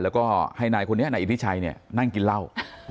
แล้วก็ให้นายคนนี้นายอิทธิชัยเนี่ยนั่งกินเหล้า